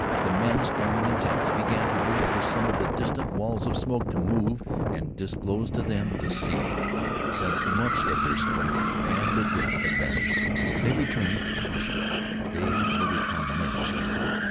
The men, staring intently, began to wait for some of the distant walls of smoke to move and disclose to them the scene. Since much of their strength and their breath had vanished, they returned to caution. They were become men again.